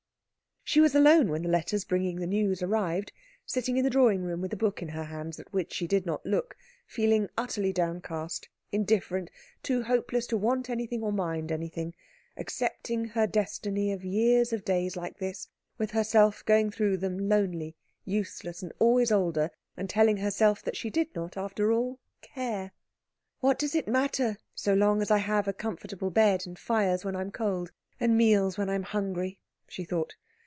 She was alone when the letters bringing the news arrived, sitting in the drawing room with a book in her hands at which she did not look, feeling utterly downcast, indifferent, too hopeless to want anything or mind anything, accepting her destiny of years of days like this, with herself going through them lonely, useless, and always older, and telling herself that she did not after all care. "What does it matter, so long as I have a comfortable bed, and fires when I am cold, and meals when I am hungry?" she thought.